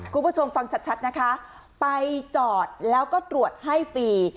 คุณผู้ชมฟังชัดนะคะไปจอดแล้วก็ตรวจให้ฟรี